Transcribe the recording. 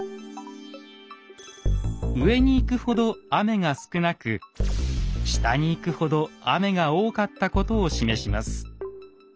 上に行くほど雨が少なく下に行くほど雨が多かったことを示します。